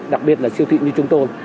đặc biệt là siêu thị như chúng tôi